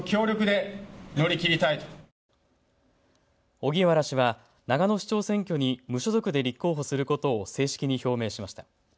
荻原氏は長野市長選挙に無所属で立候補することを正式に表明しました。